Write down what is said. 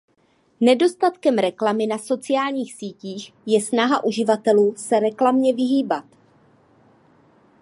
Nedostatkem reklamy na sociálních sítích je snaha uživatelů se reklamě vyhýbat.